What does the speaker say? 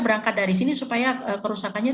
berangkat dari sini supaya kerusakannya